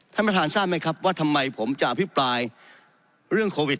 ท่านประธานทราบไหมครับว่าทำไมผมจะอภิปรายเรื่องโควิด